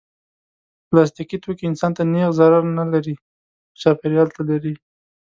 پلاستيکي توکي انسان ته نېغ ضرر نه لري، خو چاپېریال ته لري.